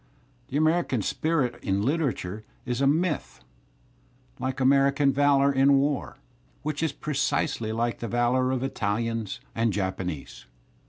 The American spirit in liter atur e is a myth, like American valour in war, which is precisely like the valour of Italians and Japanese.